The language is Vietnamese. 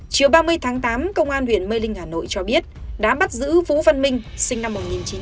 chiều ba mươi tháng tám công an huyện mê linh hà nội cho biết đã bắt giữ vũ văn minh sinh năm một nghìn chín trăm tám mươi